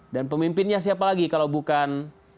dan pemimpinnya siapa lagi kalau bukan